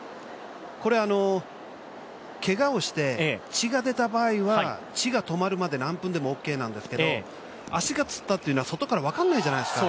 これけがをして血が出た場合は血が止まるまで何分でもオーケーなんですけど足がつったというのは外から分からないじゃないですか。